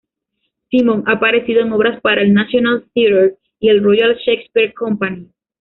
Simon ha aparecido en obras para el National Theatre y el Royal Shakespeare Company.